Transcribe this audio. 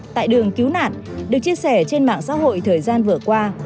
tại đường cứu nạn được chia sẻ trên mạng xã hội thời gian vừa qua